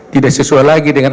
tidak sesuai lagi dengan